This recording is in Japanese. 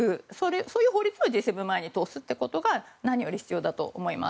そういう法律をＧ７前に通すということが何より必要だと思います。